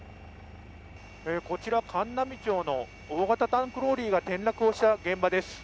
こちら、函南町の大型タンクローリーが転落をした現場です。